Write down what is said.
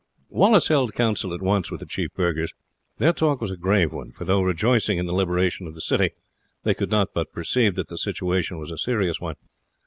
Wallace held council at once with the chief burghers. Their talk was a grave one, for though rejoicing in the liberation of the city, they could not but perceive that the situation was a serious one.